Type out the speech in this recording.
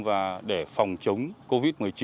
và để phòng chống covid một mươi chín